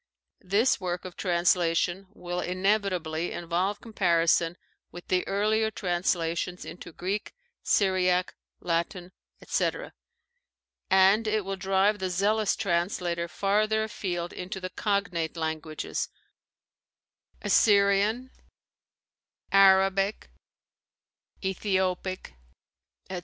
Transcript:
This work of translation will inevitably involve comparison with the earlier translations into Greek, Syriac, Latin, etc., and it will drive the zealous translator farther afield into the cognate languages, Assyrian, Arabic, Ethiopic, etc.